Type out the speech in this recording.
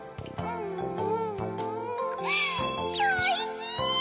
おいしい！